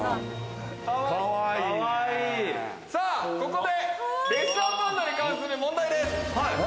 ここで、レッサーパンダに関する問題です。